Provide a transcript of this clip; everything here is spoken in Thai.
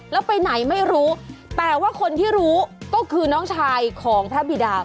แล้วไปไหนไม่รู้แต่ว่าคนที่รู้ก็คือน้องชายของพระบิดา